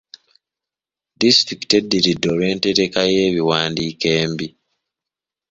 Disitulikiti eddiridde olw'entereka y'ebiwandiiko embi.